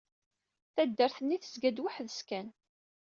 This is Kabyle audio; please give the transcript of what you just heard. Taddart-nni tezga-d weḥd-s kan.